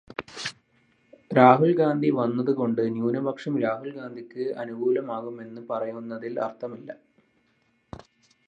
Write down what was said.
രാഹുൽഗാന്ധി വന്നതുകൊണ്ട് ന്യൂനപക്ഷം രാഹുൽഗാന്ധിക്ക് അനുകൂലമാകുമെന്ന് പറയുന്നതിൽ അർഥമില്ല.